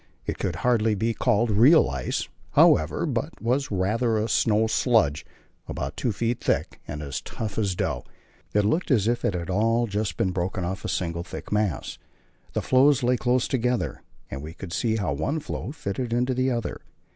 It could hardly be called real ice, however, but was rather a snow sludge, about two feet thick, and as tough as dough; it looked as if it had all just been broken off a single thick mass. The floes lay close together, and we could see how one floe fitted into the other.